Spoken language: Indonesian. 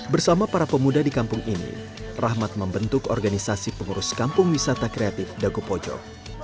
bersama para pemuda di kampung ini rahmat membentuk organisasi pengurus kampung wisata kreatif dagopojok